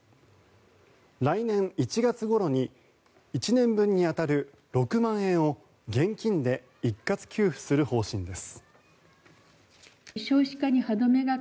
来年１月ごろに１年分に当たる６万円を現金で一括給付する方針です。